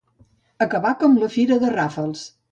Acabar com la fira de Ràfels.